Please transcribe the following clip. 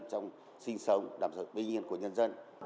trong sinh sống đảm bảo bình yên của nhân dân